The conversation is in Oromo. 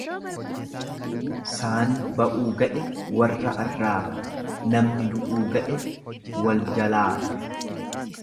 Saani ba'uu ga'e wa arraaba, namni du'uu ga'e wal jalaata.